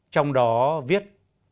trong đó viết